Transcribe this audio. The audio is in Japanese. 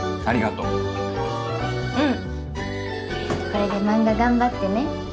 これで漫画頑張ってね。